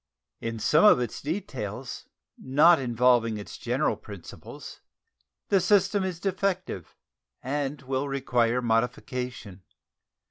In some of its details, not involving its general principles, the system is defective and will require modification.